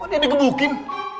kok dia di gebukin